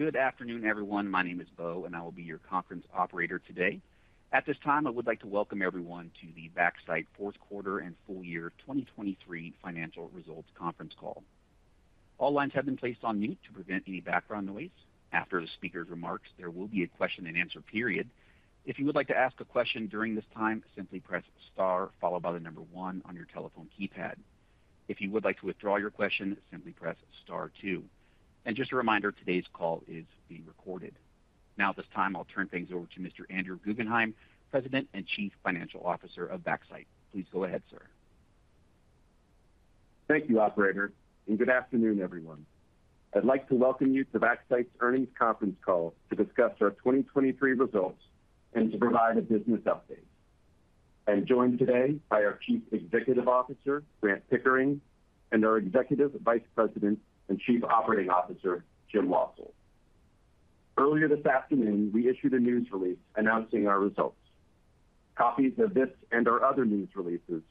Good afternoon, everyone. My name is Bo, and I will be your conference operator today. At this time, I would like to welcome everyone to the Vaxcyte fourth quarter and full year 2023 financial results conference call. All lines have been placed on mute to prevent any background noise. After the speaker's remarks, there will be a question and answer period. If you would like to ask a question during this time, simply press star, followed by the number one on your telephone keypad. If you would like to withdraw your question, simply press star two. And just a reminder, today's call is being recorded. Now, at this time, I'll turn things over to Mr. Andrew Guggenhime, President and Chief Financial Officer of Vaxcyte. Please go ahead, sir. Thank you, Operator, and good afternoon, everyone. I'd like to welcome you to Vaxcyte's earnings conference call to discuss our 2023 results and to provide a business update. I'm joined today by our Chief Executive Officer, Grant Pickering, and our Executive Vice President and Chief Operating Officer, Jim Wassil. Earlier this afternoon, we issued a news release announcing our results. Copies of this and our other news releases,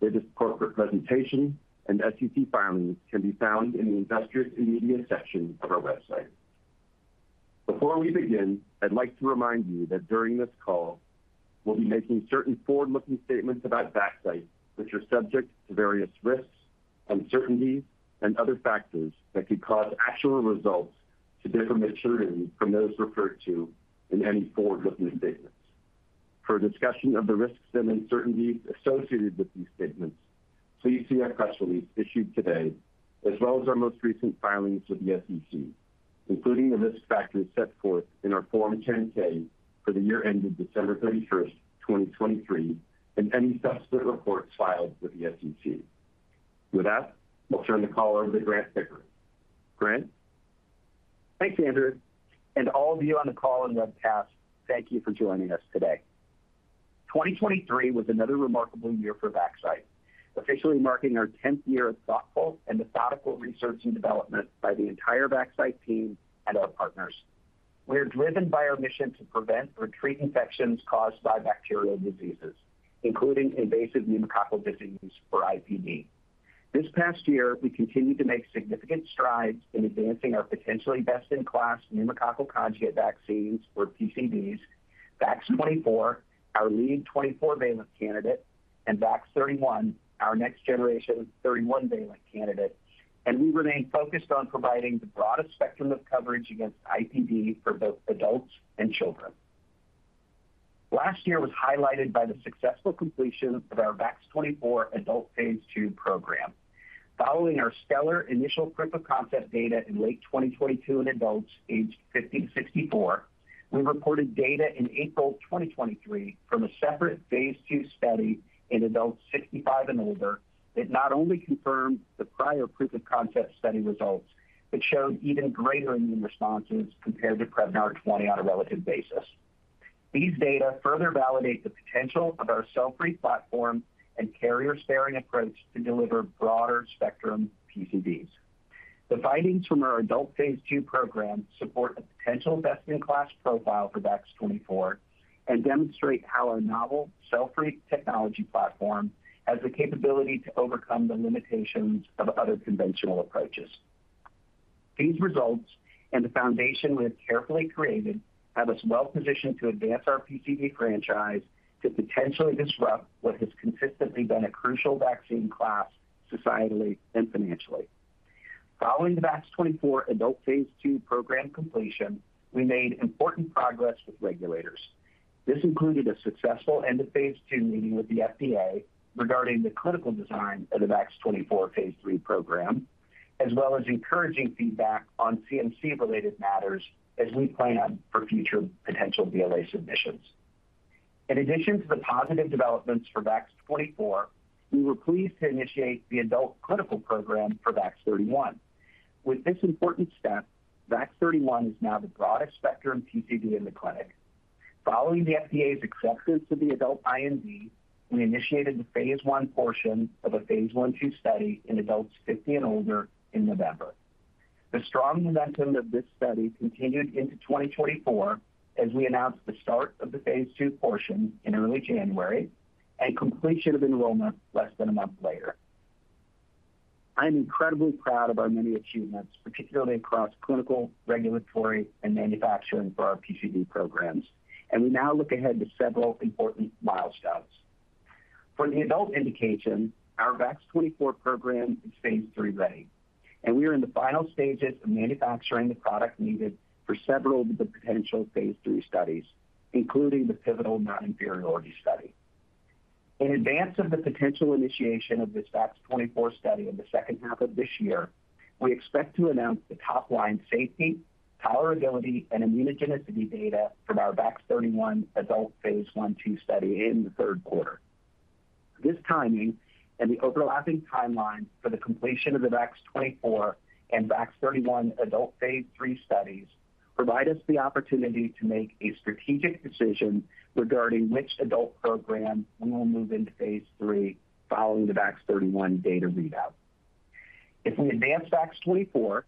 latest corporate presentations, and SEC filings can be found in the investors and media section of our website. Before we begin, I'd like to remind you that during this call, we'll be making certain forward-looking statements about Vaxcyte, which are subject to various risks, uncertainties, and other factors that could cause actual results to differ materially from those referred to in any forward-looking statements. For a discussion of the risks and uncertainties associated with these statements, please see our press release issued today, as well as our most recent filings with the SEC, including the risk factors set forth in our Form 10-K for the year ended December 31st, 2023, and any subsequent reports filed with the SEC. With that, I'll turn the call over to Grant Pickering. Grant? Thanks, Andrew, and all of you on the call and webcast, thank you for joining us today. 2023 was another remarkable year for Vaxcyte, officially marking our 10th year of thoughtful and methodical research and development by the entire Vaxcyte team and our partners. We are driven by our mission to prevent or treat infections caused by bacterial diseases, including invasive pneumococcal disease or IPD. This past year, we continued to make significant strides in advancing our potentially best-in-class pneumococcal conjugate vaccines, or PCVs, VAX-24, our lead 24-valent candidate, and VAX-31, our next-generation 31-valent candidate. We remain focused on providing the broadest spectrum of coverage against IPD for both adults and children. Last year was highlighted by the successful completion of our VAX-24 adult phase II program. Following our stellar initial proof of concept data in late 2022 in adults aged 50-64, we reported data in April 2023 from a separate phase II study in adults 65 and older that not only confirmed the prior proof of concept study results but showed even greater immune responses compared to Prevnar 20 on a relative basis. These data further validate the potential of our cell-free platform and carrier-sparing approach to deliver broader-spectrum PCVs. The findings from our adult phase II program support a potential best-in-class profile for VAX-24 and demonstrate how our novel cell-free technology platform has the capability to overcome the limitations of other conventional approaches. These results and the foundation we have carefully created have us well-positioned to advance our PCV franchise to potentially disrupt what has consistently been a crucial vaccine class societally and financially. Following the VAX-24 adult phase II program completion, we made important progress with regulators. This included a successful end-of-phase II meeting with the FDA regarding the clinical design of the VAX-24 phase III program, as well as encouraging feedback on CMC-related matters as we plan for future potential BLA submissions. In addition to the positive developments for VAX-24, we were pleased to initiate the adult clinical program for VAX-31. With this important step, VAX-31 is now the broadest-spectrum PCV in the clinic. Following the FDA's acceptance of the adult IND, we initiated the phase I portion of a phase I/II study in adults 50 and older in November. The strong momentum of this study continued into 2024 as we announced the start of the phase II portion in early January and completion of enrollment less than a month later. I am incredibly proud of our many achievements, particularly across clinical, regulatory, and manufacturing for our PCV programs. We now look ahead to several important milestones. For the adult indication, our VAX-24 program is phase III ready, and we are in the final stages of manufacturing the product needed for several of the potential phase III studies, including the pivotal non-inferiority study. In advance of the potential initiation of this VAX-24 study in the second half of this year, we expect to announce the top-line safety, tolerability, and immunogenicity data from our VAX-31 adult phase I/II study in the third quarter. This timing and the overlapping timeline for the completion of the VAX-24 and VAX-31 adult phase III studies provide us the opportunity to make a strategic decision regarding which adult program we will move into phase III following the VAX-31 data readout. If we advance VAX-24,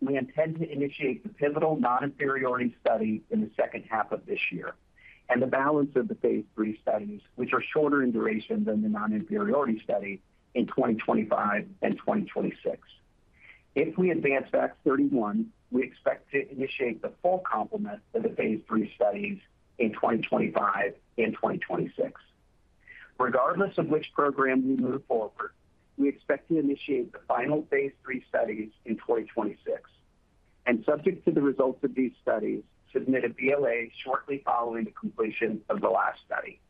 we intend to initiate the pivotal non-inferiority study in the second half of this year and the balance of the phase III studies, which are shorter in duration than the non-inferiority study in 2025 and 2026. If we advance VAX-31, we expect to initiate the full complement of the phase III studies in 2025 and 2026. Regardless of which program we move forward, we expect to initiate the final phase III studies in 2026 and, subject to the results of these studies, submit a BLA shortly following the completion of the last study.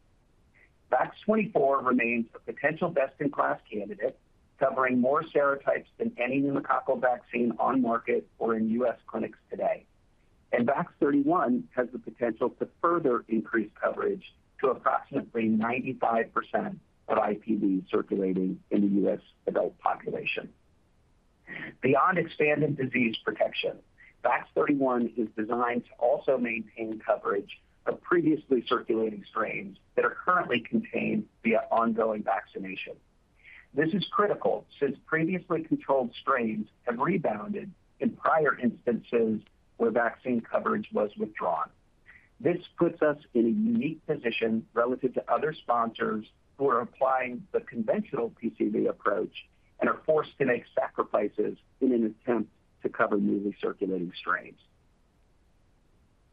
VAX-24 remains a potential best-in-class candidate covering more serotypes than any pneumococcal vaccine on market or in U.S. clinics today. VAX-31 has the potential to further increase coverage to approximately 95% of IPD circulating in the U.S. adult population. Beyond expanded disease protection, VAX-31 is designed to also maintain coverage of previously circulating strains that are currently contained via ongoing vaccination. This is critical since previously controlled strains have rebounded in prior instances where vaccine coverage was withdrawn. This puts us in a unique position relative to other sponsors who are applying the conventional PCV approach and are forced to make sacrifices in an attempt to cover newly circulating strains.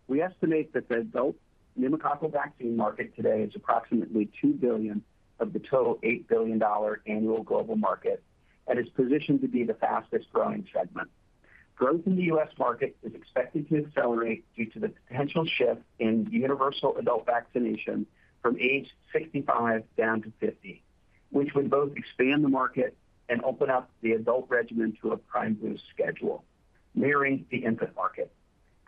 We estimate that the adult pneumococcal vaccine market today is approximately $2 billion of the total $8 billion annual global market and is positioned to be the fastest-growing segment. Growth in the U.S. market is expected to accelerate due to the potential shift in universal adult vaccination from age 65 down to 50, which would both expand the market and open up the adult regimen to a prime boost schedule, mirroring the infant market.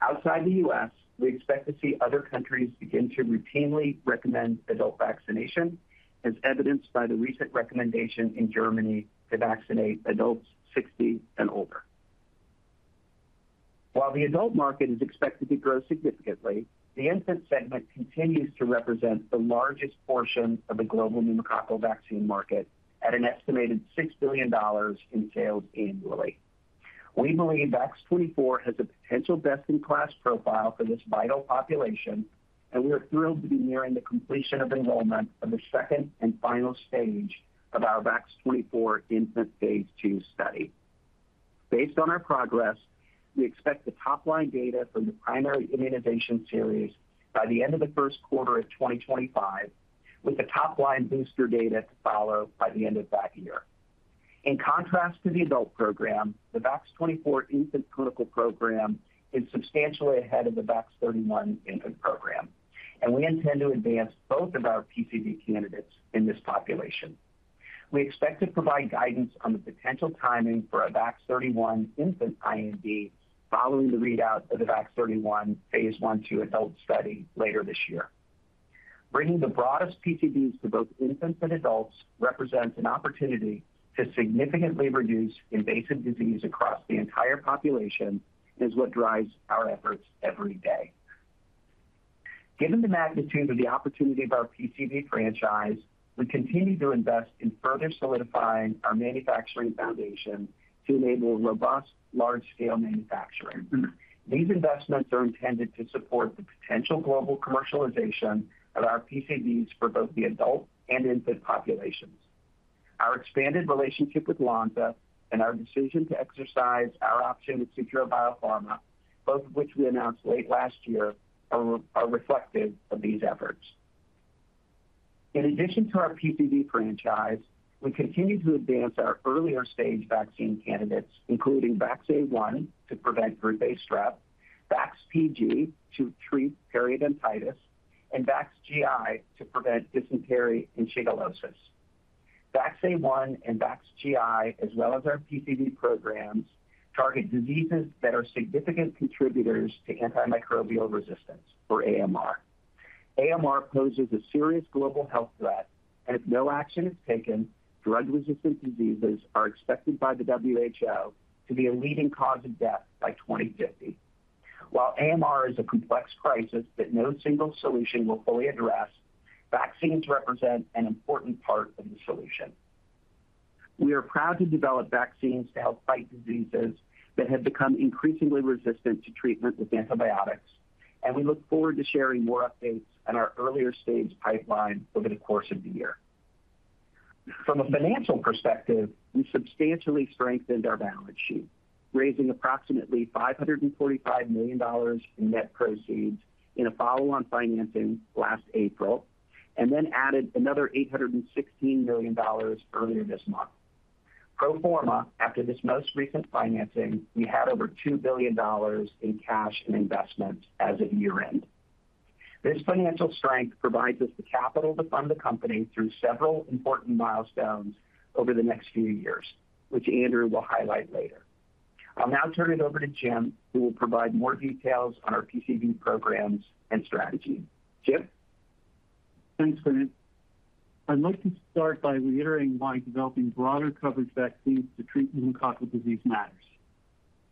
Outside the US, we expect to see other countries begin to routinely recommend adult vaccination, as evidenced by the recent recommendation in Germany to vaccinate adults 60 and older. While the adult market is expected to grow significantly, the infant segment continues to represent the largest portion of the global pneumococcal vaccine market at an estimated $6 billion in sales annually. We believe VAX-24 has a potential best-in-class profile for this vital population, and we are thrilled to be nearing the completion of enrollment of the second and final stage of our VAX-24 infant phase II study. Based on our progress, we expect the top-line data from the primary immunization series by the end of the first quarter of 2025, with the top-line booster data to follow by the end of that year. In contrast to the adult program, the VAX-24 infant clinical program is substantially ahead of the VAX-31 infant program, and we intend to advance both of our PCV candidates in this population. We expect to provide guidance on the potential timing for a VAX-31 infant IND following the readout of the VAX-31 phase I/II adult study later this year. Bringing the broadest PCVs to both infants and adults represents an opportunity to significantly reduce invasive disease across the entire population and is what drives our efforts every day. Given the magnitude of the opportunity of our PCV franchise, we continue to invest in further solidifying our manufacturing foundation to enable robust, large-scale manufacturing. These investments are intended to support the potential global commercialization of our PCVs for both the adult and infant populations. Our expanded relationship with Lonza and our decision to exercise our option with Sutro Biopharma, both of which we announced late last year, are reflective of these efforts. In addition to our PCV franchise, we continue to advance our earlier-stage vaccine candidates, including VAX-A1 to prevent group A Strep, VAX-PG to treat periodontitis, and VAX-GI to prevent dysentery and shigellosis. VAX-A1 and VAX-GI, as well as our PCV programs, target diseases that are significant contributors to antimicrobial resistance, or AMR. AMR poses a serious global health threat, and if no action is taken, drug-resistant diseases are expected by the WHO to be a leading cause of death by 2050. While AMR is a complex crisis that no single solution will fully address, vaccines represent an important part of the solution. We are proud to develop vaccines to help fight diseases that have become increasingly resistant to treatment with antibiotics, and we look forward to sharing more updates on our earlier-stage pipeline over the course of the year. From a financial perspective, we substantially strengthened our balance sheet, raising approximately $545 million in net proceeds in a follow-on financing last April and then added another $816 million earlier this month. Pro forma, after this most recent financing, we had over $2 billion in cash and investment as of year-end. This financial strength provides us the capital to fund the company through several important milestones over the next few years, which Andrew will highlight later. I'll now turn it over to Jim, who will provide more details on our PCV programs and strategy. Jim? Thanks, Grant. I'd like to start by reiterating why developing broader coverage vaccines to treat pneumococcal disease matters.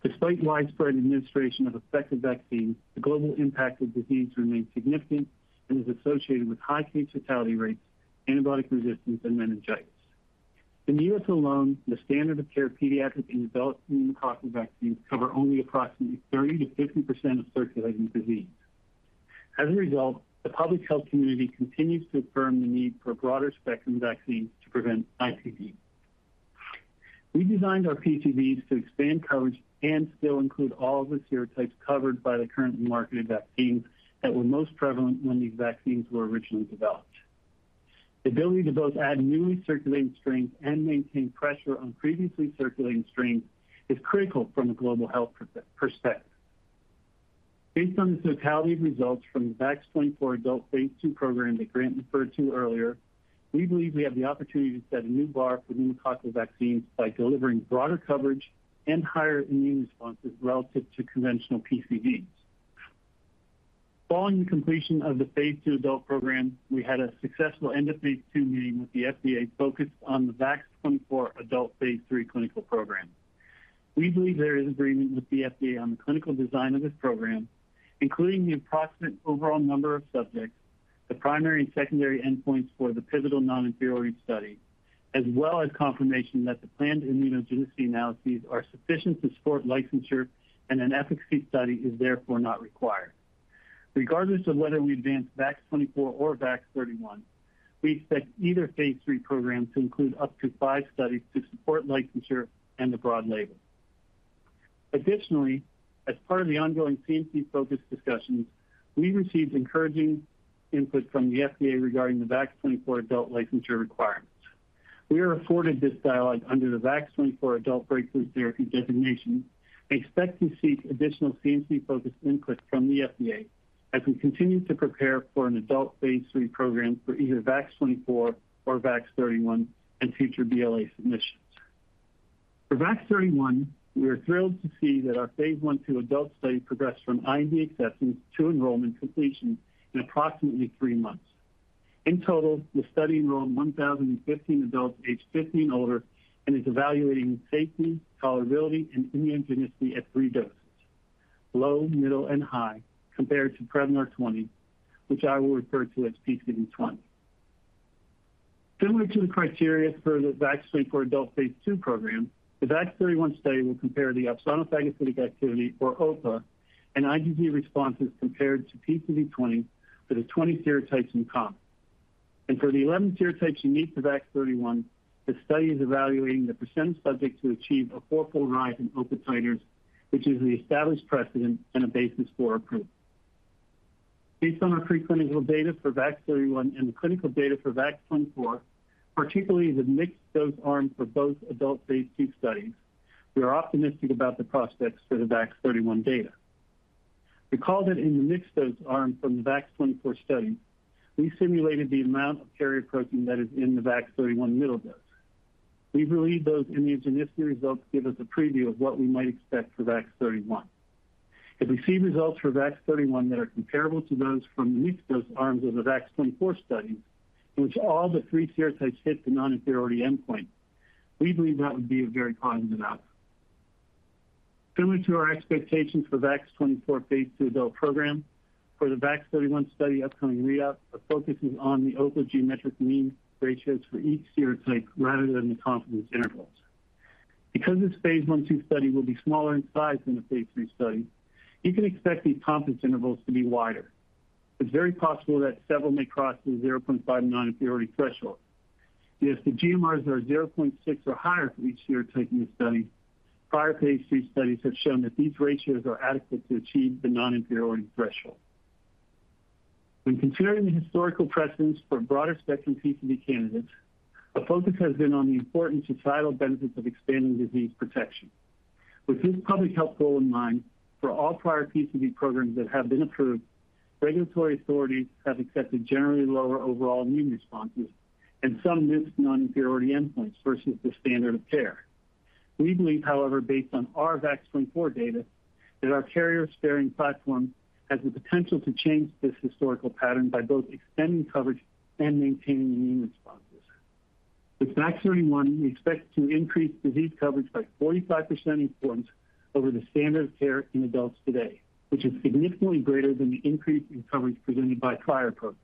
Despite widespread administration of effective vaccines, the global impact of disease remains significant and is associated with high case fatality rates, antibiotic resistance, and meningitis. In the U.S. alone, the standard-of-care pediatric and adult pneumococcal vaccines cover only approximately 30%-50% of circulating disease. As a result, the public health community continues to affirm the need for a broader spectrum vaccines to prevent IPD. We designed our PCVs to expand coverage and still include all of the serotypes covered by the currently marketed vaccines that were most prevalent when these vaccines were originally developed. The ability to both add newly circulating strains and maintain pressure on previously circulating strains is critical from a global health perspective. Based on the totality of results from the VAX-24 adult phase II program that Grant referred to earlier, we believe we have the opportunity to set a new bar for pneumococcal vaccines by delivering broader coverage and higher immune responses relative to conventional PCVs. Following the completion of the phase II adult program, we had a successful end-of-phase II meeting with the FDA focused on the VAX-24 adult phase III clinical program. We believe there is agreement with the FDA on the clinical design of this program, including the approximate overall number of subjects, the primary and secondary endpoints for the pivotal non-inferiority study, as well as confirmation that the planned immunogenicity analyses are sufficient to support licensure, and an efficacy study is therefore not required. Regardless of whether we advance VAX-24 or VAX-31, we expect either phase III program to include up to five studies to support licensure and the broad label. Additionally, as part of the ongoing CMC-focused discussions, we received encouraging input from the FDA regarding the VAX-24 adult licensure requirements. We are afforded this dialogue under the VAX-24 adult breakthrough therapy designation and expect to seek additional CMC-focused input from the FDA as we continue to prepare for an adult phase III program for either VAX-24 or VAX-31 and future BLA submissions. For VAX-31, we are thrilled to see that our phase I/II adult study progressed from IND acceptance to enrollment completion in approximately three months. In total, the study enrolled 1,015 adults age 50 and older and is evaluating safety, tolerability, and immunogenicity at three doses: low, middle, and high, compared to Prevnar 20, which I will refer to as PCV 20. Similar to the criteria for the VAX-24 adult phase II program, the VAX-31 study will compare the opsonophagocytic activity, or OPA, and IgG responses compared to PCV 20 for the 20 serotypes in common. For the 11 serotypes unique to VAX-31, the study is evaluating the percent of subjects who achieve a four-fold rise in OPA titers, which is the established precedent and a basis for approval. Based on our preclinical data for VAX-31 and the clinical data for VAX-24, particularly the mixed-dose arm for both adult phase II studies, we are optimistic about the prospects for the VAX-31 data. Recall that in the mixed-dose arm from the VAX-24 studies, we simulated the amount of carrier protein that is in the VAX-31 middle dose. We believe those immunogenicity results give us a preview of what we might expect for VAX-31. If we see results for VAX-31 that are comparable to those from the mixed-dose arms of the VAX-24 studies, in which all the three serotypes hit the non-inferiority endpoint, we believe that would be a very positive outcome. Similar to our expectations for VAX-24 phase II adult program, for the VAX-31 study upcoming readout, the focus is on the OPA geometric mean ratios for each serotype rather than the confidence intervals. Because this phase I/II study will be smaller in size than the phase III study, you can expect these confidence intervals to be wider. It's very possible that several may cross the 0.59 inferiority threshold. Yet, if the GMRs are 0.6 or higher for each serotype in the study, prior phase III studies have shown that these ratios are adequate to achieve the non-inferiority threshold. When considering the historical precedence for a broader spectrum PCV candidates, the focus has been on the important societal benefits of expanding disease protection. With this public health goal in mind, for all prior PCV programs that have been approved, regulatory authorities have accepted generally lower overall immune responses and some missed non-inferiority endpoints versus the standard of care. We believe, however, based on our VAX-24 data, that our carrier-sparing platform has the potential to change this historical pattern by both extending coverage and maintaining immune responses. With VAX-31, we expect to increase disease coverage by 45% in points over the standard of care in adults today, which is significantly greater than the increase in coverage presented by prior programs.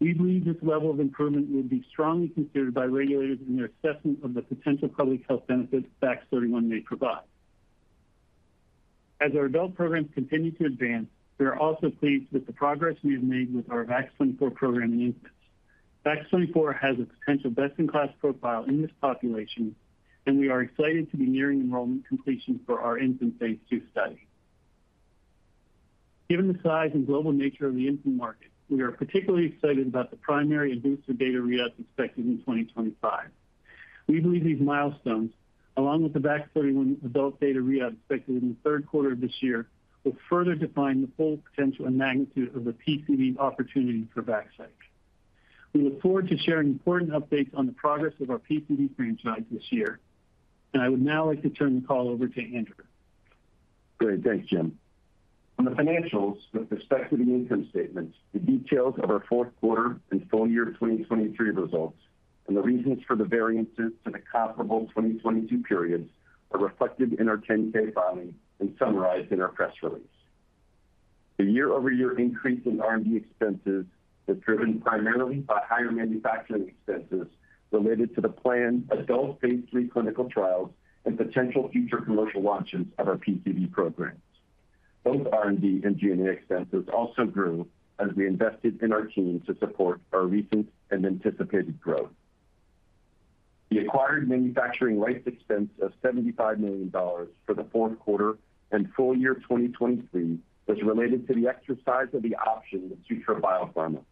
We believe this level of improvement would be strongly considered by regulators in their assessment of the potential public health benefits VAX-31 may provide. As our adult programs continue to advance, we are also pleased with the progress we have made with our VAX-24 program in infants. VAX-24 has a potential best-in-class profile in this population, and we are excited to be nearing enrollment completion for our infant phase II study. Given the size and global nature of the infant market, we are particularly excited about the primary and booster data readouts expected in 2025. We believe these milestones, along with the VAX-31 adult data readout expected in the third quarter of this year, will further define the full potential and magnitude of the PCV opportunity for Vaxcyte. We look forward to sharing important updates on the progress of our PCV franchise this year, and I would now like to turn the call over to Andrew. Great. Thanks, Jim. From the financials, with respect to the income statements, the details of our fourth quarter and full year of 2023 results and the reasons for the variances to the comparable 2022 periods are reflected in our 10-K filing and summarized in our press release. The year-over-year increase in R&D expenses was driven primarily by higher manufacturing expenses related to the planned adult phase III clinical trials and potential future commercial launches of our PCV programs. Both R&D and G&A expenses also grew as we invested in our team to support our recent and anticipated growth. The acquired manufacturing rights expense of $75 million for the fourth quarter and full year 2023 was related to the exercise of the option with Sutro Biopharma,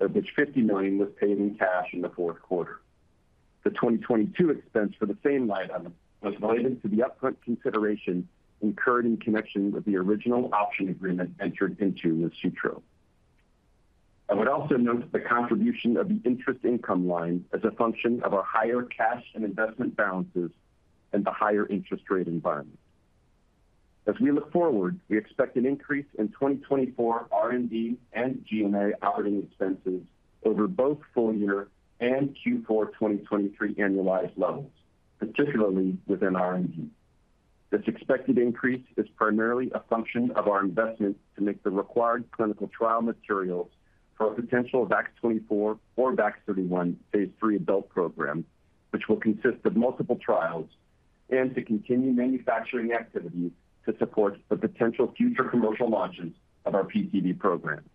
of which $50 million was paid in cash in the fourth quarter. The 2022 expense for the same line item was related to the upfront consideration incurred in connection with the original option agreement entered into with Sutro. I would also note the contribution of the interest income line as a function of our higher cash and investment balances and the higher interest rate environment. As we look forward, we expect an increase in 2024 R&D and G&A operating expenses over both full year and Q4 2023 annualized levels, particularly within R&D. This expected increase is primarily a function of our investment to make the required clinical trial materials for a potential VAX-24 or VAX-31 Phase III adult program, which will consist of multiple trials, and to continue manufacturing activities to support the potential future commercial launches of our PCV programs.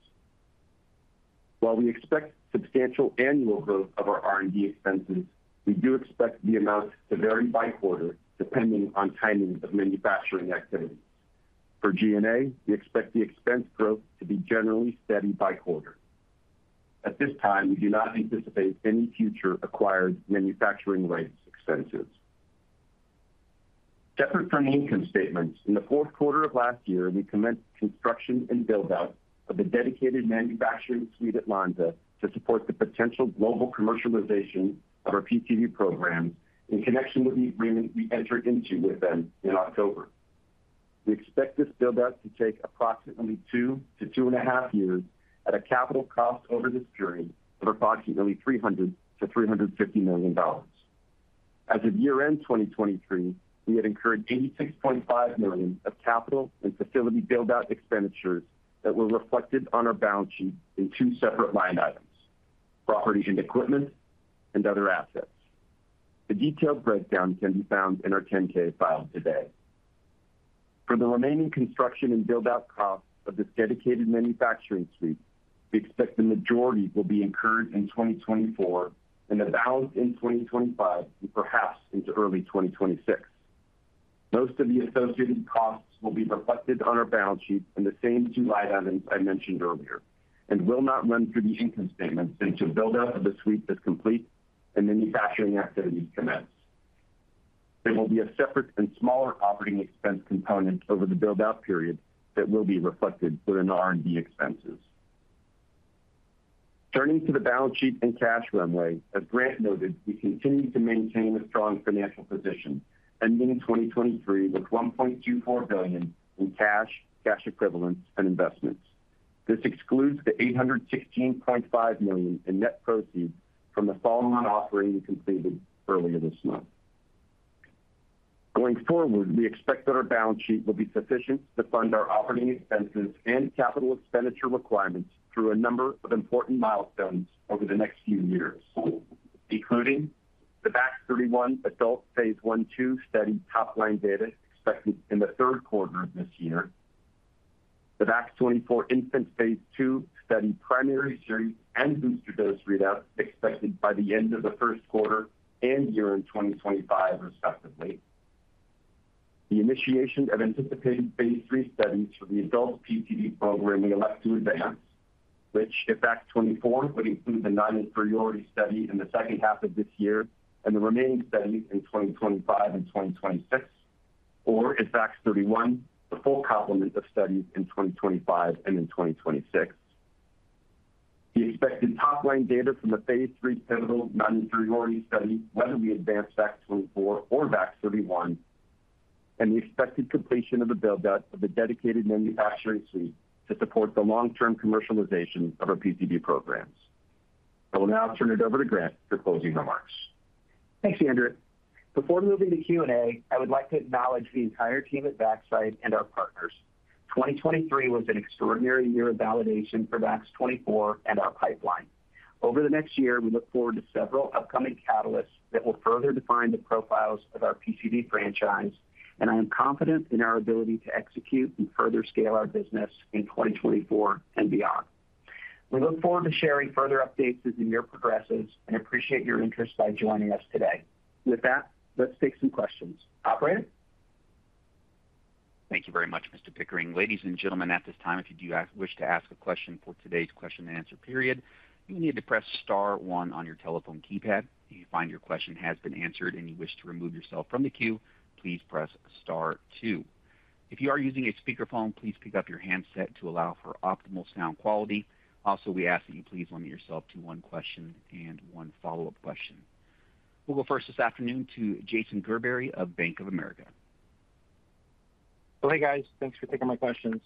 While we expect substantial annual growth of our R&D expenses, we do expect the amounts to vary by quarter depending on timing of manufacturing activities. For G&A, we expect the expense growth to be generally steady by quarter. At this time, we do not anticipate any future acquired manufacturing rights expenses. Separate from the income statements, in the fourth quarter of last year, we commenced construction and buildout of the dedicated manufacturing suite at Lonza to support the potential global commercialization of our PCV programs in connection with the agreement we entered into with them in October. We expect this buildout to take approximately 2-2.5 years at a capital cost over this period of approximately $300 million-$350 million. As of year-end 2023, we had incurred $86.5 million of capital and facility buildout expenditures that were reflected on our balance sheet in two separate line items: property and equipment and other assets. The detailed breakdown can be found in our 10-K filed today. For the remaining construction and buildout costs of this dedicated manufacturing suite, we expect the majority will be incurred in 2024 and the balance in 2025 and perhaps into early 2026. Most of the associated costs will be reflected on our balance sheet in the same two line items I mentioned earlier and will not run through the income statements until buildout of the suite is complete and manufacturing activities commence. There will be a separate and smaller operating expense component over the buildout period that will be reflected within the R&D expenses. Turning to the balance sheet and cash runway, as Grant noted, we continue to maintain a strong financial position, ending 2023 with $1.24 billion in cash, cash equivalents, and investments. This excludes the $816.5 million in net proceeds from the follow-on offering completed earlier this month. Going forward, we expect that our balance sheet will be sufficient to fund our operating expenses and capital expenditure requirements through a number of important milestones over the next few years, including the VAX-31 adult phase I/II study top-line data expected in the third quarter of this year, the VAX-24 infant phase II study primary series and booster dose readouts expected by the end of the first quarter and year in 2025, respectively. The initiation of anticipated Phase III studies for the adult PCV program we elect to advance, which, if VAX-24 would include the non-inferiority study in the second half of this year and the remaining studies in 2025 and 2026, or if VAX-31, the full complement of studies in 2025 and in 2026. The expected top-line data from the Phase III pivotal non-inferiority study, whether we advance VAX-24 or VAX-31, and the expected completion of the buildout of the dedicated manufacturing suite to support the long-term commercialization of our PCV programs. I will now turn it over to Grant for closing remarks. Thanks, Andrew. Before moving to Q&A, I would like to acknowledge the entire team at Vaxcyte and our partners. 2023 was an extraordinary year of validation for VAX-24 and our pipeline. Over the next year, we look forward to several upcoming catalysts that will further define the profiles of our PCV franchise, and I am confident in our ability to execute and further scale our business in 2024 and beyond. We look forward to sharing further updates as the year progresses and appreciate your interest by joining us today. With that, let's take some questions. Operator? Thank you very much, Mr. Pickering. Ladies and gentlemen, at this time, if you do wish to ask a question for today's question and answer period, you will need to press star one on your telephone keypad. If you find your question has been answered and you wish to remove yourself from the queue, please press star two. If you are using a speakerphone, please pick up your handset to allow for optimal sound quality. Also, we ask that you please limit yourself to one question and one follow-up question. We'll go first this afternoon to Jason Gerberry of Bank of America. Hey, guys. Thanks for taking my questions.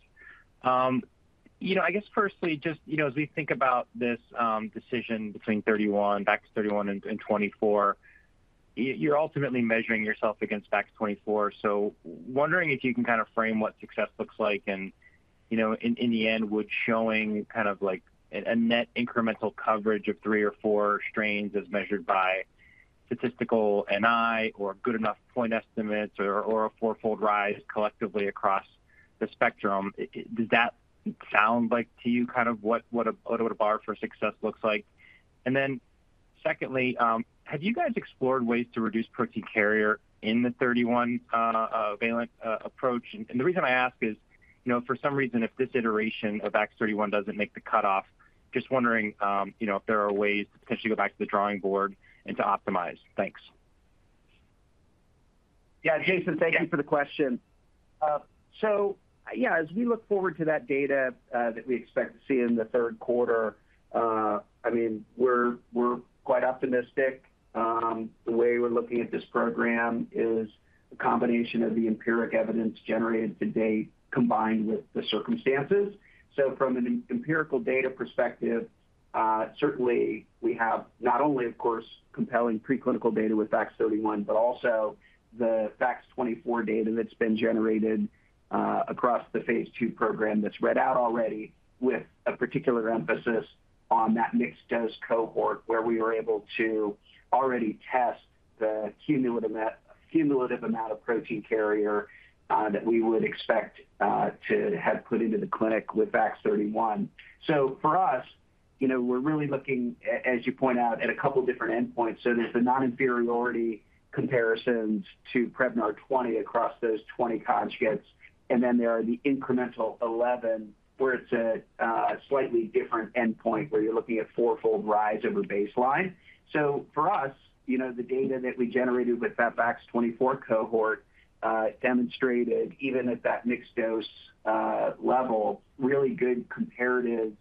I guess, firstly, just as we think about this decision between VAX-31 and VAX-24, you're ultimately measuring yourself against VAX-24. So wondering if you can kind of frame what success looks like and, in the end, would showing kind of a net incremental coverage of three or four strains as measured by statistical NI or good enough point estimates or a four fold rise collectively across the spectrum, does that sound like to you kind of what a bar for success looks like? And then secondly, have you guys explored ways to reduce protein carrier in the 31-valent approach? And the reason I ask is, for some reason, if this iteration of VAX-31 doesn't make the cutoff, just wondering if there are ways to potentially go back to the drawing board and to optimize. Thanks. Yeah, Jason, thank you for the question. So yeah, as we look forward to that data that we expect to see in the third quarter, I mean, we're quite optimistic. The way we're looking at this program is a combination of the empirical evidence generated to date combined with the circumstances. So from an empirical data perspective, certainly, we have not only, of course, compelling preclinical data with VAX-31 but also the VAX-24 data that's been generated across the Phase II program that's read out already with a particular emphasis on that mixed-dose cohort where we were able to already test the cumulative amount of protein carrier that we would expect to have put into the clinic with VAX-31. So for us, we're really looking, as you point out, at a couple of different endpoints. So there's the non-inferiority comparisons to Prevnar 20 across those 20 conjugates, and then there are the incremental 11 where it's a slightly different endpoint where you're looking at four fold rise over baseline. So for us, the data that we generated with that VAX-24 cohort demonstrated, even at that mixed-dose level, really good comparative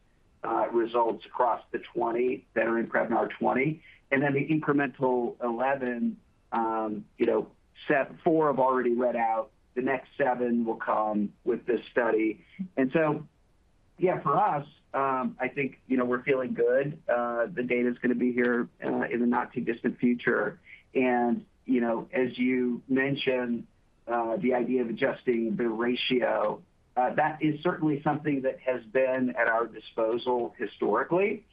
results across the 20 that are in Prevnar 20. And then the incremental 11, set four have already read out. The next seven will come with this study. And so yeah, for us, I think we're feeling good. The data is going to be here in the not-too-distant future. And as you mentioned, the idea of adjusting the ratio, that is certainly something that has been at our disposal historically.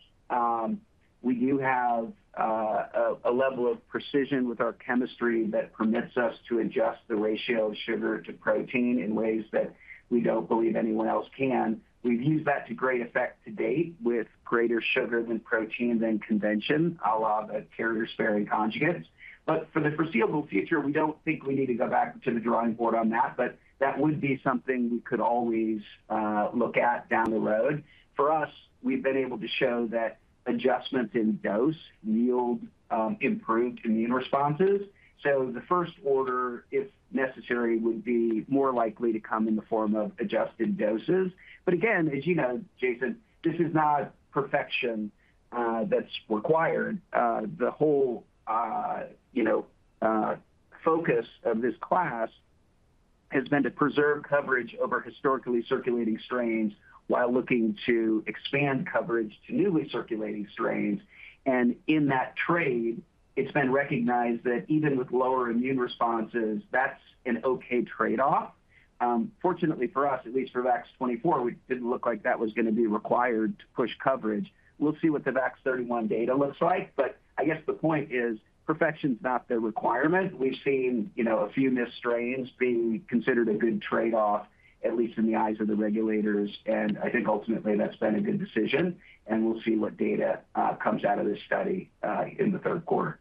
We do have a level of precision with our chemistry that permits us to adjust the ratio of sugar to protein in ways that we don't believe anyone else can. We've used that to great effect to date with greater sugar than protein than convention a la the carrier-sparing conjugates. But for the foreseeable future, we don't think we need to go back to the drawing board on that, but that would be something we could always look at down the road. For us, we've been able to show that adjustments in dose yield improved immune responses. So the first order, if necessary, would be more likely to come in the form of adjusted doses. But again, as you know, Jason, this is not perfection that's required. The whole focus of this class has been to preserve coverage over historically circulating strains while looking to expand coverage to newly circulating strains. And in that trade, it's been recognized that even with lower immune responses, that's an okay trade-off. Fortunately for us, at least for VAX-24, it didn't look like that was going to be required to push coverage. We'll see what the VAX-31 data looks like. But I guess the point is, perfection's not the requirement. We've seen a few missed strains be considered a good trade-off, at least in the eyes of the regulators. And I think ultimately, that's been a good decision. And we'll see what data comes out of this study in the third quarter.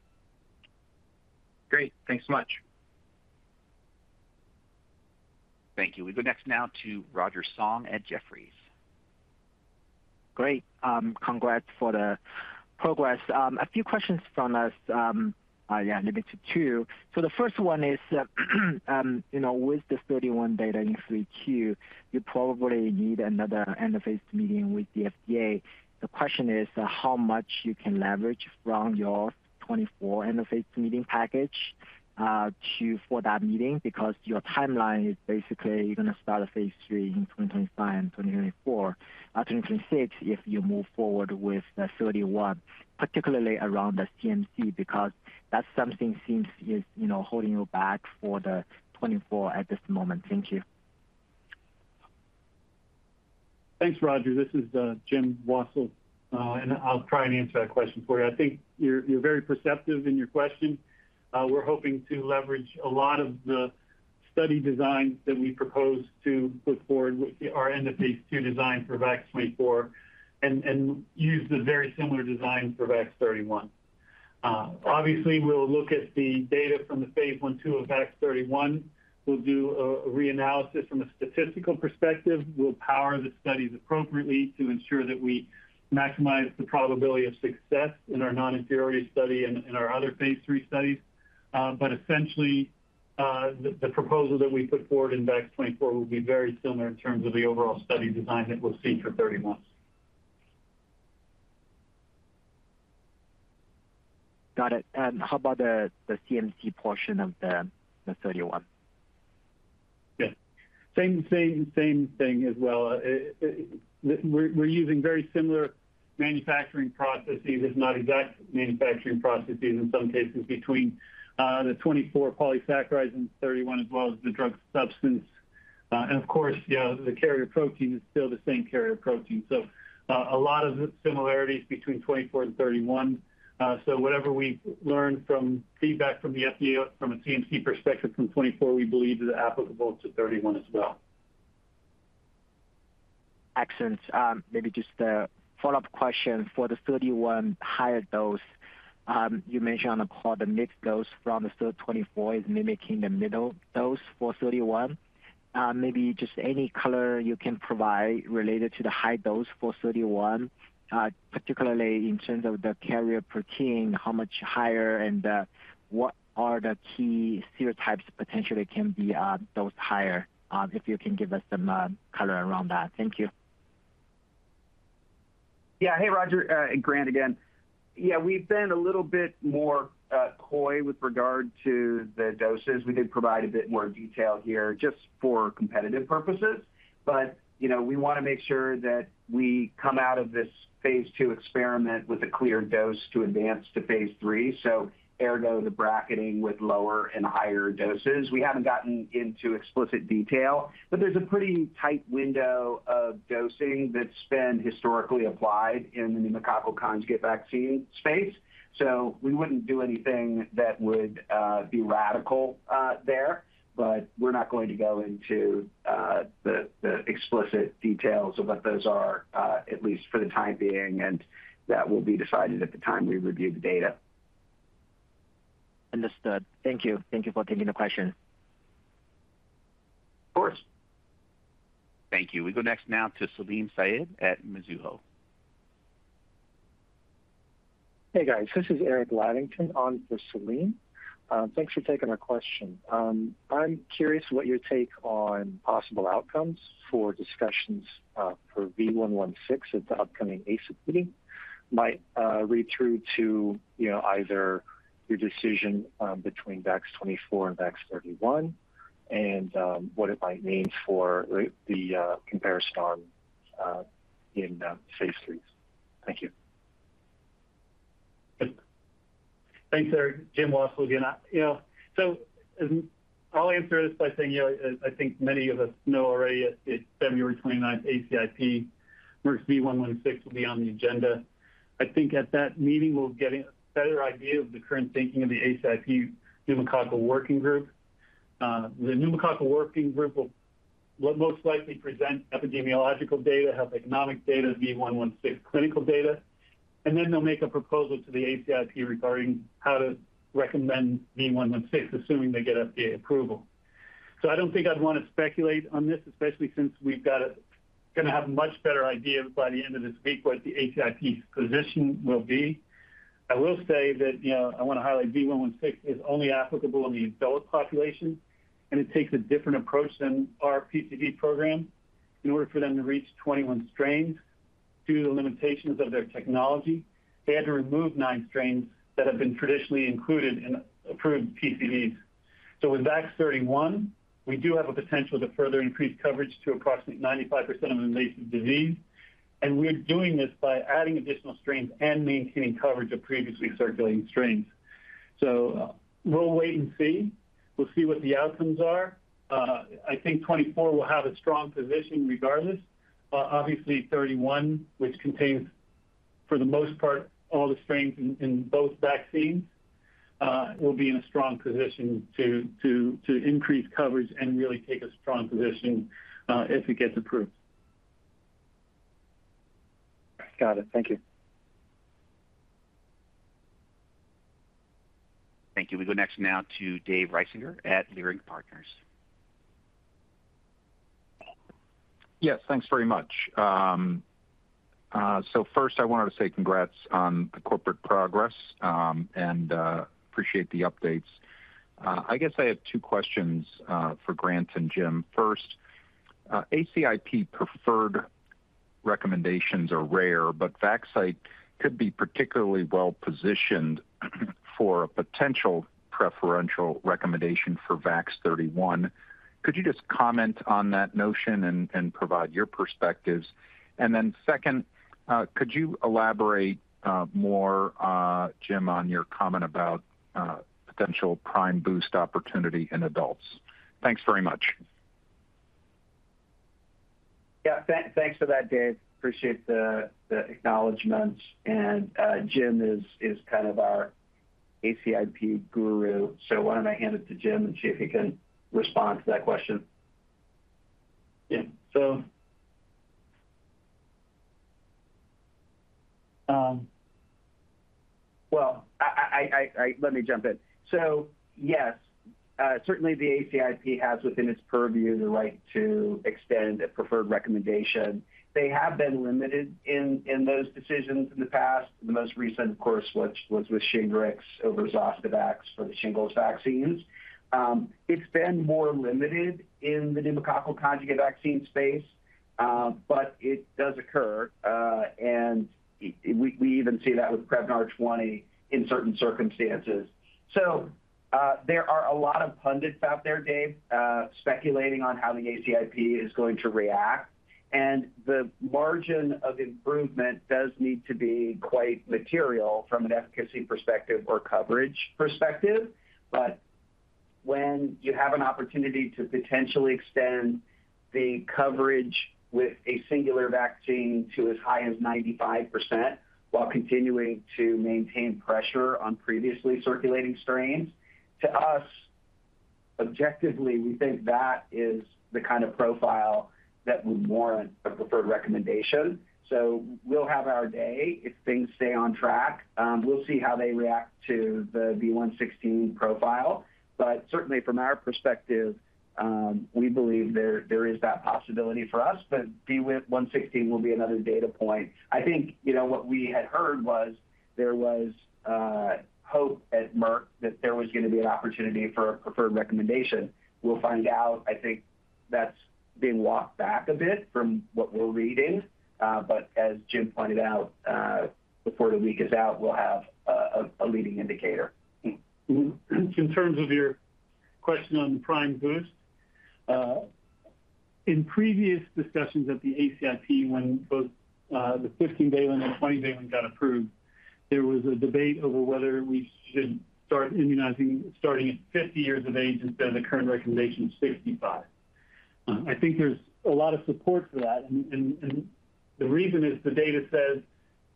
Great. Thanks so much. Thank you. We go next now to Roger Song at Jefferies. Great. Congrats for the progress. A few questions from us, yeah, limited to two. So the first one is, with this 31 data in Q3, you probably need another interface meeting with the FDA. The question is how much you can leverage from your 24-interface meeting package for that meeting because your timeline is basically you're going to start a Phase III in 2025 and 2026 if you move forward with the 31, particularly around the CMC because that's something seems is holding you back for the 24 at this moment. Thank you. Thanks, Roger. This is Jim Wassil, and I'll try and answer that question for you. I think you're very perceptive in your question. We're hoping to leverage a lot of the study designs that we propose to put forward with our interface to design for VAX-24 and use the very similar designs for VAX-31. Obviously, we'll look at the data from the phase I/II of VAX-31. We'll do a reanalysis from a statistical perspective. We'll power the studies appropriately to ensure that we maximize the probability of success in our non-inferiority study and in our other phase III studies. But essentially, the proposal that we put forward in VAX-24 will be very similar in terms of the overall study design that we'll see for 31. Got it. And how about the CMC portion of the 31? Yeah. Same thing as well. We're using very similar manufacturing processes, if not exact manufacturing processes in some cases between the 24 polysaccharides and 31 as well as the drug substance. Of course, yeah, the carrier protein is still the same carrier protein. A lot of similarities between 24 and 31. Whatever we learn from feedback from the FDA from a CMC perspective from 24, we believe is applicable to 31 as well. Excellent. Maybe just the follow-up question. For the 31 higher dose, you mentioned on the call the mixed dose from the 24 is mimicking the middle dose for 31. Maybe just any color you can provide related to the high dose for 31, particularly in terms of the carrier protein, how much higher and what are the key serotypes potentially can be dosed higher if you can give us some color around that. Thank you. Yeah. Hey, Roger. Grant again. Yeah, we've been a little bit more coy with regard to the doses. We did provide a bit more detail here just for competitive purposes. But we want to make sure that we come out of this phase II experiment with a clear dose to advance to phase III, so ergo the bracketing with lower and higher doses. We haven't gotten into explicit detail, but there's a pretty tight window of dosing that's been historically applied in the pneumococcal conjugate vaccine space. So we wouldn't do anything that would be radical there. But we're not going to go into the explicit details of what those are, at least for the time being. And that will be decided at the time we review the data. Understood. Thank you. Thank you for taking the question. Of course. Thank you. We go next now to Salim Syed at Mizuho. Hey, guys. This is Eric Ladington on for Salim. Thanks for taking our question. I'm curious what your take on possible outcomes for discussions for V116 at the upcoming ACIP meeting might read through to either your decision between VAX-24 and VAX-31 and what it might mean for the comparison in phase III. Thank you. Yep. Thanks, Eric. Jim Wassil again. So I'll answer this by saying I think many of us know already it's February 29th, ACIP. Merck's V116 will be on the agenda. I think at that meeting, we'll get a better idea of the current thinking of the ACIP pneumococcal working group. The pneumococcal working group will most likely present epidemiological data, health economic data, V116 clinical data. And then they'll make a proposal to the ACIP regarding how to recommend V116, assuming they get FDA approval. So I don't think I'd want to speculate on this, especially since we're going to have a much better idea by the end of this week what the ACIP's position will be. I will say that I want to highlight V116 is only applicable in the adult population, and it takes a different approach than our PCV program. In order for them to reach 21 strains due to the limitations of their technology, they had to remove nine strains that have been traditionally included in approved PCVs. So with VAX-31, we do have a potential to further increase coverage to approximately 95% of invasive disease. And we're doing this by adding additional strains and maintaining coverage of previously circulating strains. So we'll wait and see. We'll see what the outcomes are. I think VAX-24 will have a strong position regardless. Obviously, VAX-31, which contains for the most part all the strains in both vaccines, will be in a strong position to increase coverage and really take a strong position if it gets approved. Got it. Thank you. Thank you. We go next now to Dave Risinger at Leerink Partners. Yes. Thanks very much. So first, I wanted to say congrats on the corporate progress and appreciate the updates. I guess I have two questions for Grant and Jim. First, ACIP preferred recommendations are rare, but Vaxcyte could be particularly well-positioned for a potential preferential recommendation for VAX-31. Could you just comment on that notion and provide your perspectives? And then second, could you elaborate more, Jim, on your comment about potential prime boost opportunity in adults? Thanks very much. Yeah. Thanks for that, Dave. Appreciate the acknowledgment. Jim is kind of our ACIP guru. Why don't I hand it to Jim and see if he can respond to that question? Yeah. So well, let me jump in. So yes, certainly, the ACIP has within its purview the right to extend a preferred recommendation. They have been limited in those decisions in the past. The most recent, of course, was with Shingrix over Zostavax for the shingles vaccines. It's been more limited in the pneumococcal conjugate vaccine space, but it does occur. And we even see that with Prevnar 20 in certain circumstances. So there are a lot of pundits out there, Dave, speculating on how the ACIP is going to react. And the margin of improvement does need to be quite material from an efficacy perspective or coverage perspective. But when you have an opportunity to potentially extend the coverage with a singular vaccine to as high as 95% while continuing to maintain pressure on previously circulating strains, to us, objectively, we think that is the kind of profile that would warrant a preferred recommendation. So we'll have our day if things stay on track. We'll see how they react to the V116 profile. But certainly, from our perspective, we believe there is that possibility for us. But V116 will be another data point. I think what we had heard was there was hope at Merck that there was going to be an opportunity for a preferred recommendation. We'll find out. I think that's being walked back a bit from what we're reading. But as Jim pointed out, before the week is out, we'll have a leading indicator. In terms of your question on the prime boost, in previous discussions at the ACIP, when both the 15-valent and 20-valent got approved, there was a debate over whether we should start immunizing starting at 50 years of age instead of the current recommendation of 65. I think there's a lot of support for that. And the reason is the data says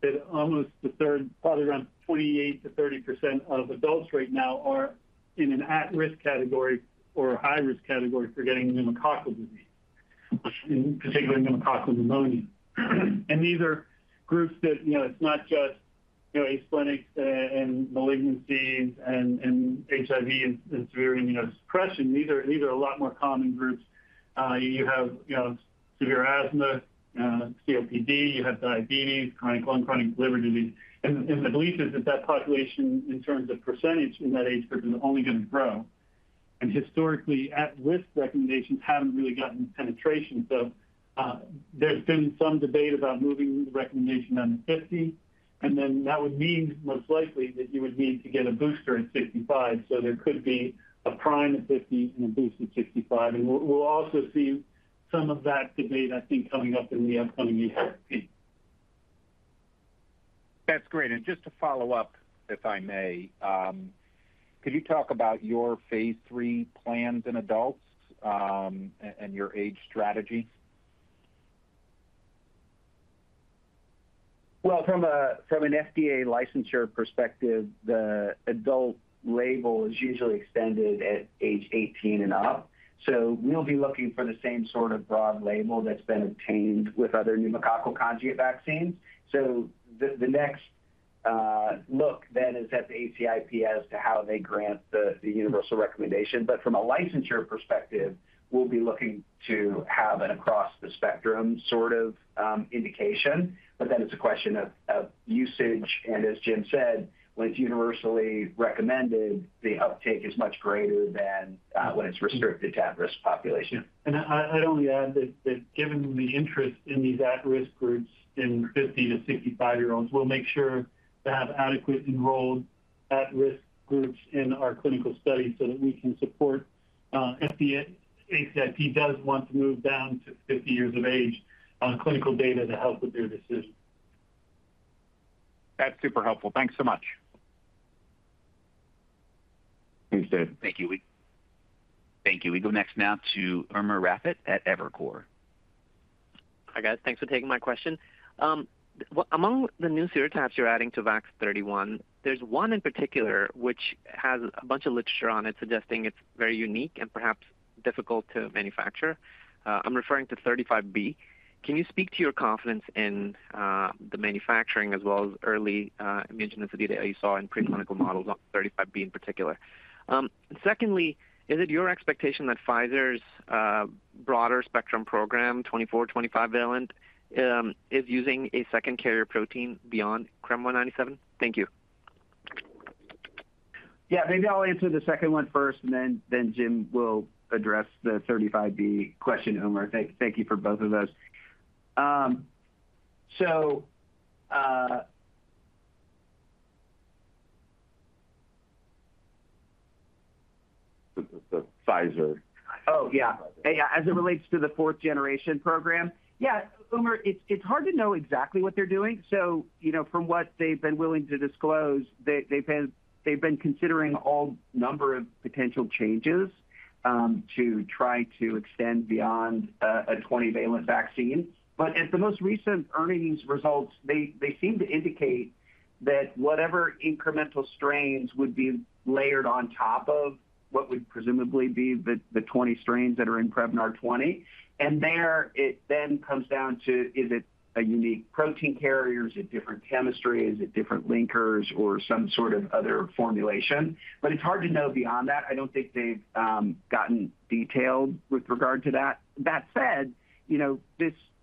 that almost a third, probably around 28%-30% of adults right now are in an at-risk category or high-risk category for getting pneumococcal disease, particularly pneumococcal pneumonia. And these are groups that it's not just asplenia and malignancies and HIV and severe immunosuppression. These are a lot more common groups. You have severe asthma, COPD. You have diabetes, chronic lung, chronic liver disease. And the belief is that that population, in terms of percentage in that age group, is only going to grow. Historically, at-risk recommendations haven't really gotten penetration. So there's been some debate about moving the recommendation down to 50. And then that would mean most likely that you would need to get a booster at 65. So there could be a prime at 50 and a boost at 65. And we'll also see some of that debate, I think, coming up in the upcoming ACIP meeting. That's great. Just to follow up, if I may, could you talk about your Phase III plans in adults and your age strategy? Well, from an FDA licensure perspective, the adult label is usually extended at age 18 and up. So we'll be looking for the same sort of broad label that's been obtained with other pneumococcal conjugate vaccines. So the next look then is at the ACIP as to how they grant the universal recommendation. But from a licensure perspective, we'll be looking to have an across-the-spectrum sort of indication. But then it's a question of usage. And as Jim said, when it's universally recommended, the uptake is much greater than when it's restricted to at-risk populations. Yeah. I'd only add that given the interest in these at-risk groups in 50-65-year-olds, we'll make sure to have adequate enrolled at-risk groups in our clinical study so that we can support ACIP does want to move down to 50 years of age clinical data to help with their decision. That's super helpful. Thanks so much. Thanks, Dave. Thank you. Thank you. We go next now to Umer Raffat at Evercore. Hi, guys. Thanks for taking my question. Among the new serotypes you're adding to VAX-31, there's one in particular which has a bunch of literature on it suggesting it's very unique and perhaps difficult to manufacture. I'm referring to 35B. Can you speak to your confidence in the manufacturing as well as early immunogenicity data you saw in preclinical models on 35B in particular? Secondly, is it your expectation that Pfizer's broader spectrum program, 24/25-valent, is using a second carrier protein beyond CRM197? Thank you. Yeah. Maybe I'll answer the second one first, and then Jim will address the 35B question, Umer. Thank you for both of those. So the Pfizer. Oh, yeah. Yeah. As it relates to the fourth-generation program, yeah, Umer, it's hard to know exactly what they're doing. So from what they've been willing to disclose, they've been considering all number of potential changes to try to extend beyond a 20-valent vaccine. But at the most recent earnings results, they seem to indicate that whatever incremental strains would be layered on top of what would presumably be the 20 strains that are in Prevnar 20. And there, it then comes down to is it a unique protein carrier? Is it different chemistry? Is it different linkers or some sort of other formulation? But it's hard to know beyond that. I don't think they've gotten detailed with regard to that. That said,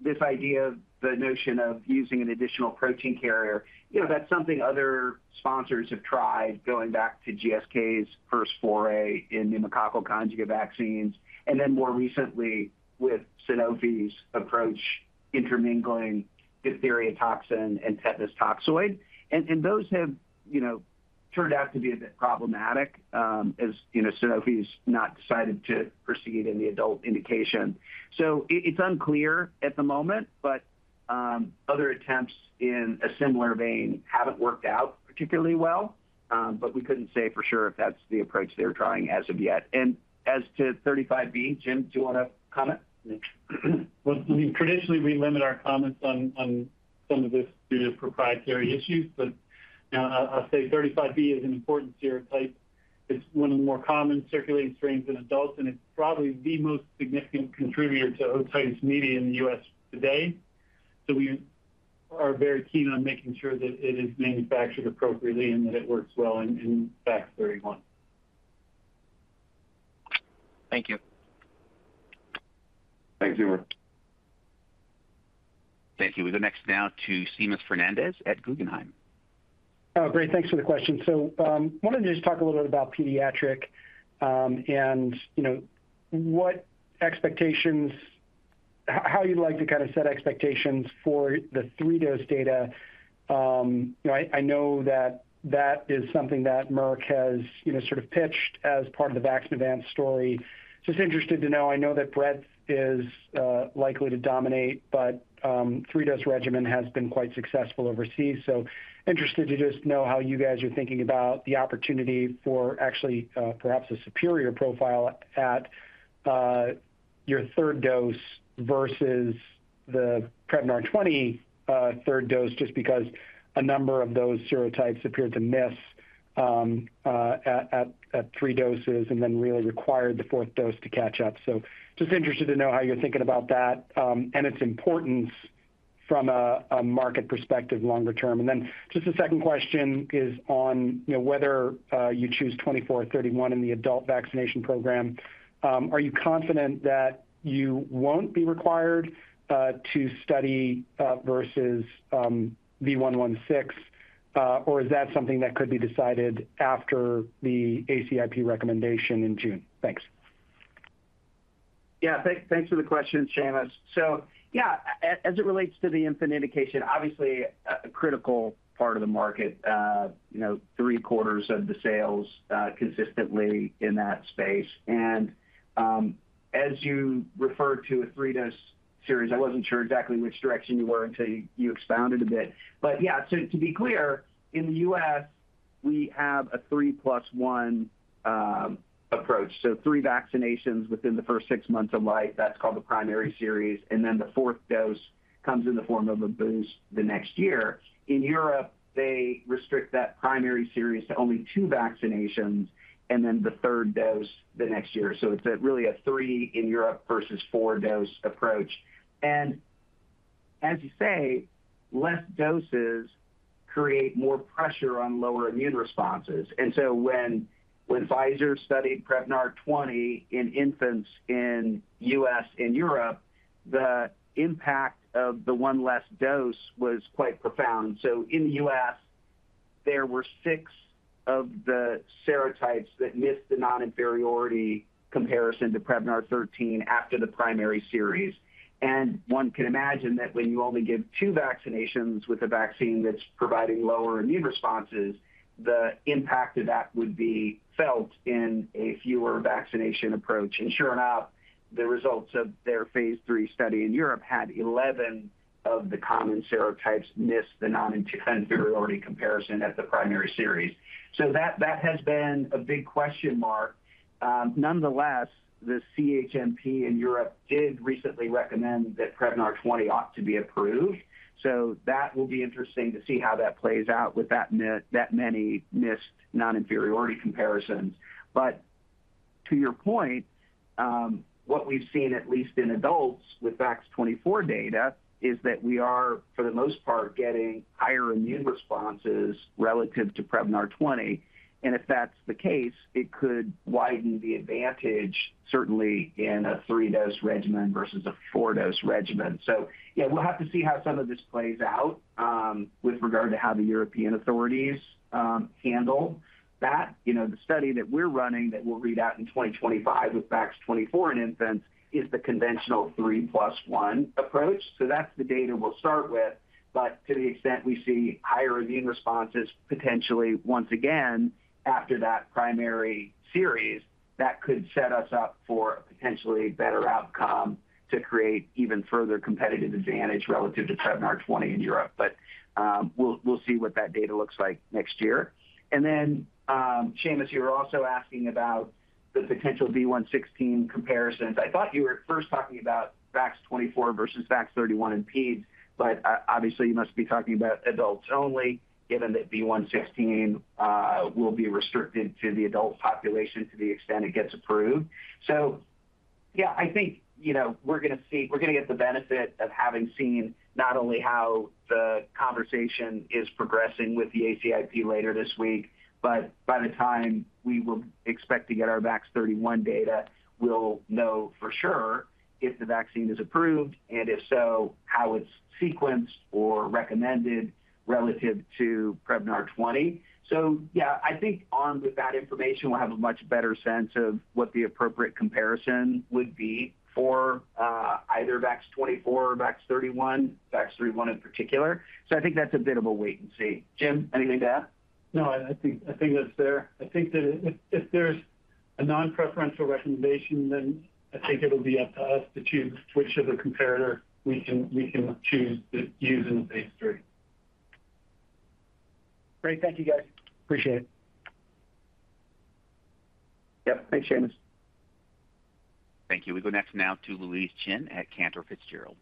this idea, the notion of using an additional protein carrier, that's something other sponsors have tried going back to GSK's first foray in pneumococcal conjugate vaccines and then more recently with Sanofi's approach intermingling diphtheria toxin and tetanus toxoid. And those have turned out to be a bit problematic as Sanofi's not decided to proceed in the adult indication. So it's unclear at the moment, but other attempts in a similar vein haven't worked out particularly well. But we couldn't say for sure if that's the approach they're trying as of yet. And as to 35B, Jim, do you want to comment? Well, I mean, traditionally, we limit our comments on some of this due to proprietary issues. But now I'll say 35B is an important serotype. It's one of the more common circulating strains in adults, and it's probably the most significant contributor to otitis media in the U.S. today. So we are very keen on making sure that it is manufactured appropriately and that it works well in VAX-31. Thank you. Thanks, Umer. Thank you. We go next now to Seamus Fernandez at Guggenheim. Oh, great. Thanks for the question. So I wanted to just talk a little bit about pediatric and what expectations, how you'd like to kind of set expectations for the three dose data. I know that that is something that Merck has sort of pitched as part of the Vaxneuvance story. Just interested to know. I know that Prevnar is likely to dominate, but three dose regimen has been quite successful overseas. So interested to just know how you guys are thinking about the opportunity for actually perhaps a superior profile at your third dose versus the Prevnar 20 third dose just because a number of those serotypes appeared to miss at three doses and then really required the fourth dose to catch up. So just interested to know how you're thinking about that and its importance from a market perspective longer term. And then just the second question is on whether you choose 24/31 in the adult vaccination program. Are you confident that you won't be required to study versus V116, or is that something that could be decided after the ACIP recommendation in June? Thanks. Yeah. Thanks for the question, Seamus. So yeah, as it relates to the infant indication, obviously, a critical part of the market, 3/4 of the sales consistently in that space. And as you referred to a three dose series, I wasn't sure exactly which direction you were until you expounded a bit. But yeah, to be clear, in the US, we have a 3+1 approach. So three vaccinations within the first six months of life. That's called the primary series. And then the fourth dose comes in the form of a boost the next year. In Europe, they restrict that primary series to only two vaccinations and then the third dose the next year. So it's really a three-in-Europe versus four dose approach. And as you say, less doses create more pressure on lower immune responses. When Pfizer studied Prevnar 20 in infants in the U.S. and Europe, the impact of the one less dose was quite profound. In the U.S., there were six of the serotypes that missed the non-inferiority comparison to Prevnar 13 after the primary series. One can imagine that when you only give two vaccinations with a vaccine that's providing lower immune responses, the impact of that would be felt in a fewer vaccination approach. Sure enough, the results of their phase III study in Europe had 11 of the common serotypes miss the non-inferiority comparison at the primary series. That has been a big question mark. Nonetheless, the CHMP in Europe did recently recommend that Prevnar 20 ought to be approved. That will be interesting to see how that plays out with that many missed non-inferiority comparisons. But to your point, what we've seen, at least in adults with VAX-24 data, is that we are, for the most part, getting higher immune responses relative to Prevnar 20. And if that's the case, it could widen the advantage, certainly in a three-dose regimen versus a four-dose regimen. So yeah, we'll have to see how some of this plays out with regard to how the European authorities handle that. The study that we're running that we'll read out in 2025 with VAX-24 in infants is the conventional three-plus-one approach. So that's the data we'll start with. But to the extent we see higher immune responses, potentially, once again, after that primary series, that could set us up for a potentially better outcome to create even further competitive advantage relative to Prevnar 20 in Europe. But we'll see what that data looks like next year. And then, Seamus, you were also asking about the potential V116 comparisons. I thought you were first talking about VAX-24 versus VAX-31 in peds. But obviously, you must be talking about adults only given that V116 will be restricted to the adult population to the extent it gets approved. So yeah, I think we're going to see we're going to get the benefit of having seen not only how the conversation is progressing with the ACIP later this week, but by the time we will expect to get our VAX-31 data, we'll know for sure if the vaccine is approved and if so, how it's sequenced or recommended relative to Prevnar 20. So yeah, I think armed with that information, we'll have a much better sense of what the appropriate comparison would be for either VAX-24 or VAX-31, VAX-31 in particular. I think that's a bit of a wait and see. Jim, anything to add? No, I think that's there. I think that if there's a non-preferential recommendation, then I think it'll be up to us to choose which of the comparator we can choose to use in the Phase III. Great. Thank you, guys. Appreciate it. Yep. Thanks, Seamus. Thank you. We go next now to Louise Chen at Cantor Fitzgerald.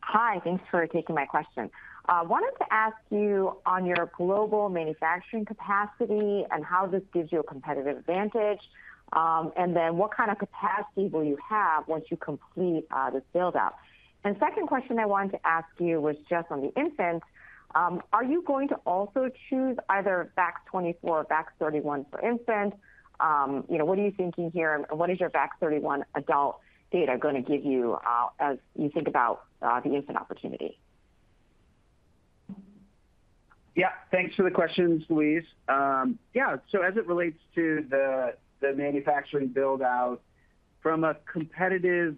Hi. Thanks for taking my question. I wanted to ask you on your global manufacturing capacity and how this gives you a competitive advantage, and then what kind of capacity will you have once you complete this buildout. Second question I wanted to ask you was just on the infants. Are you going to also choose either VAX-24 or VAX-31 for infants? What are you thinking here, and what is your VAX-31 adult data going to give you as you think about the infant opportunity? Yeah. Thanks for the questions, Louise. Yeah. So as it relates to the manufacturing buildout, from a competitive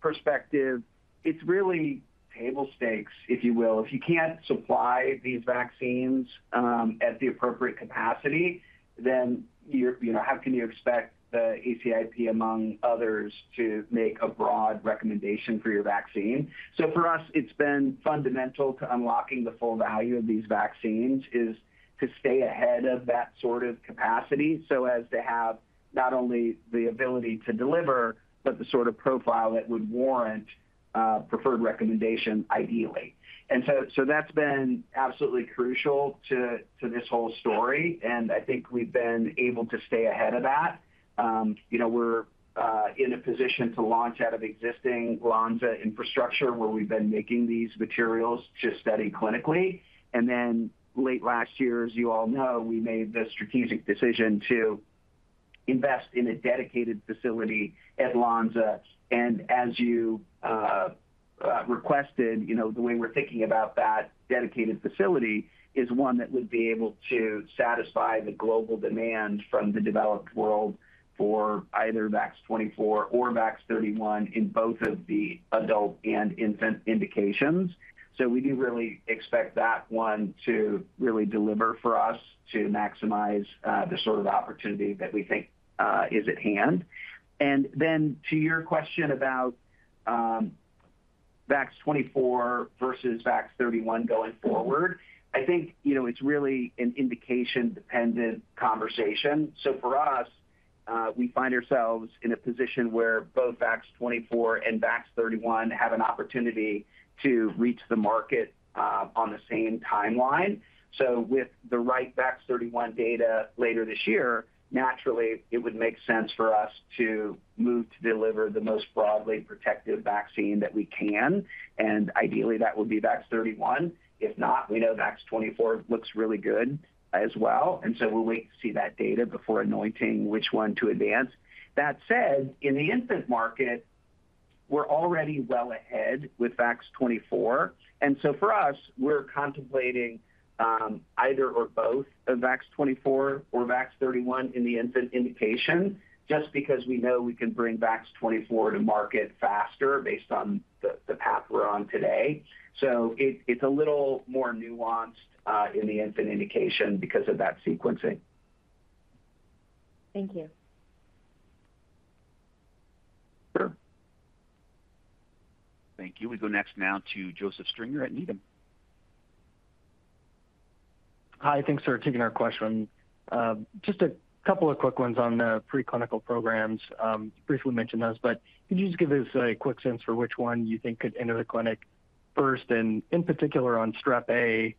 perspective, it's really table stakes, if you will. If you can't supply these vaccines at the appropriate capacity, then how can you expect the ACIP, among others, to make a broad recommendation for your vaccine? So for us, it's been fundamental to unlocking the full value of these vaccines is to stay ahead of that sort of capacity so as to have not only the ability to deliver but the sort of profile that would warrant preferred recommendation, ideally. And so that's been absolutely crucial to this whole story. And I think we've been able to stay ahead of that. We're in a position to launch out of existing Lonza infrastructure where we've been making these materials to study clinically. And then late last year, as you all know, we made the strategic decision to invest in a dedicated facility at Lonza. And as you requested, the way we're thinking about that dedicated facility is one that would be able to satisfy the global demand from the developed world for either VAX-24 or VAX-31 in both of the adult and infant indications. So we do really expect that one to really deliver for us to maximize the sort of opportunity that we think is at hand. And then to your question about VAX-24 versus VAX-31 going forward, I think it's really an indication-dependent conversation. So for us, we find ourselves in a position where both VAX-24 and VAX-31 have an opportunity to reach the market on the same timeline. So with the right VAX-31 data later this year, naturally, it would make sense for us to move to deliver the most broadly protective vaccine that we can. And ideally, that would be VAX-31. If not, we know VAX-24 looks really good as well. And so we'll wait to see that data before anointing which one to advance. That said, in the infant market, we're already well ahead with VAX-24. And so for us, we're contemplating either or both of VAX-24 or VAX-31 in the infant indication just because we know we can bring VAX-24 to market faster based on the path we're on today. So it's a little more nuanced in the infant indication because of that sequencing. Thank you. Sure. Thank you. We go next now to Joseph Stringer at Needham. Hi. Thanks for taking our question. Just a couple of quick ones on the preclinical programs. You briefly mentioned those, but could you just give us a quick sense for which one you think could enter the clinic first and in particular on Strep A?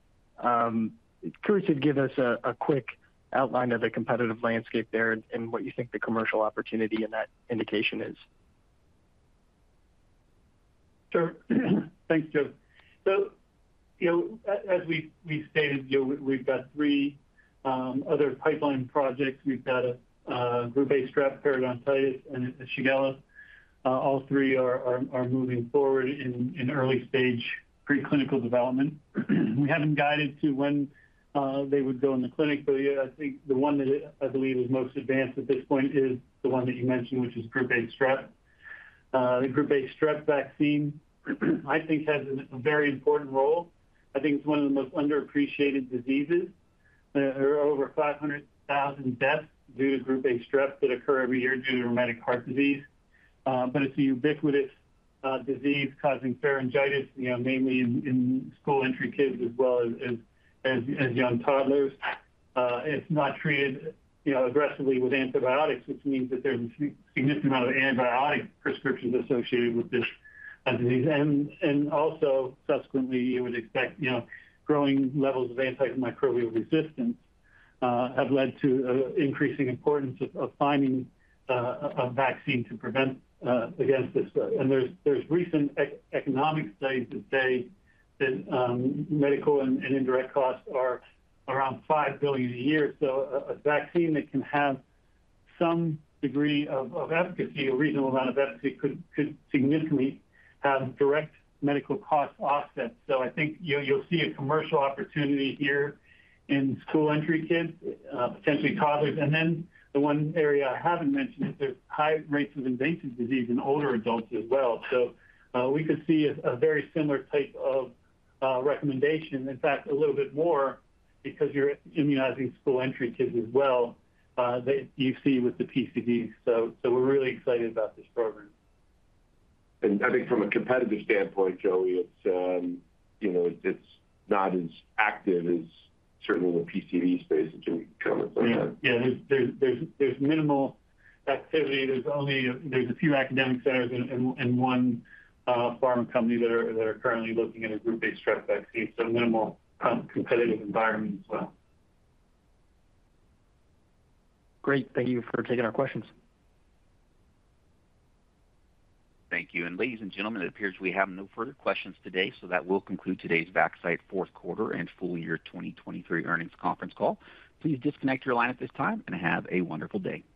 Curious to give us a quick outline of the competitive landscape there and what you think the commercial opportunity in that indication is? Sure. Thanks, Joseph. So as we stated, we've got three other pipeline projects. We've got a Group A Strep, periodontitis, and Shigella. All three are moving forward in early-stage preclinical development. We haven't guided to when they would go in the clinic, but yeah, I think the one that I believe is most advanced at this point is the one that you mentioned, which is Group A Strep. The Group A Strep vaccine, I think, has a very important role. I think it's one of the most underappreciated diseases. There are over 500,000 deaths due to Group A Strep that occur every year due to rheumatic heart disease. But it's a ubiquitous disease causing pharyngitis, mainly in school-entry kids as well as young toddlers. It's not treated aggressively with antibiotics, which means that there's a significant amount of antibiotic prescriptions associated with this disease. Also, subsequently, you would expect growing levels of antimicrobial resistance have led to an increasing importance of finding a vaccine to prevent against this. There's recent economic studies that say that medical and indirect costs are around $5 billion a year. So a vaccine that can have some degree of efficacy, a reasonable amount of efficacy, could significantly have direct medical cost offsets. So I think you'll see a commercial opportunity here in school-entry kids, potentially toddlers. And then the one area I haven't mentioned is there's high rates of invasive disease in older adults as well. So we could see a very similar type of recommendation, in fact, a little bit more because you're immunizing school-entry kids as well that you see with the PCV. So we're really excited about this program. I think from a competitive standpoint, Joey, it's not as active as certainly in the PCV space. Can you comment on that? Yeah. Yeah. There's minimal activity. There's a few academic centers and one pharma company that are currently looking at a Group A Strep vaccine. So minimal competitive environment as well. Great. Thank you for taking our questions. Thank you. Ladies and gentlemen, it appears we have no further questions today, so that will conclude today's Vaxcyte fourth quarter and full year 2023 earnings conference call. Please disconnect your line at this time and have a wonderful day.